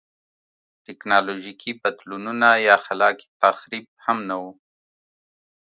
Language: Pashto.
ټکنالوژیکي بدلونونه یا خلاق تخریب هم نه و.